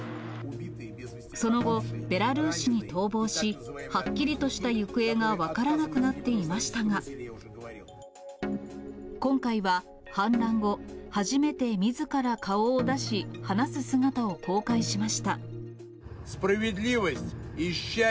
その後、ベラルーシに逃亡し、はっきりとした行方が分からなくなっていましたが、今回は、反乱後、初めてみずから顔を出し、話す姿を公開しました。